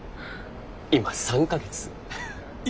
今３か月。